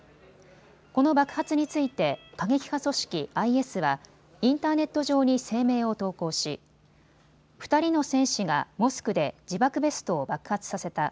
この爆発について過激派組織ＩＳはインターネット上に声明を投稿し２人の戦士がモスクで自爆ベストを爆発させた。